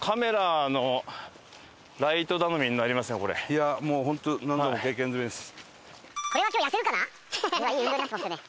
いやもう本当何度も経験済みです。